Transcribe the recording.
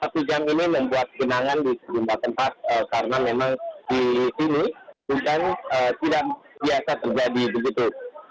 tujuan ini membuat kenangan di sejumlah tempat karena memang di sini bukan tidak biasa terjadi begitu